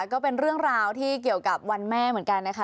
ก็เป็นเรื่องราวที่เกี่ยวกับวันแม่เหมือนกันนะคะ